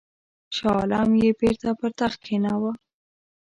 شاه عالم یې بیرته پر تخت کښېناوه.